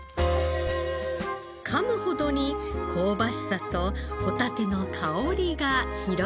かむほどに香ばしさとホタテの香りが広がります。